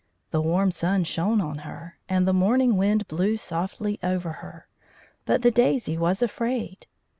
The warm sun shone on her, and the morning wind blew softly over her; but the daisy was afraid.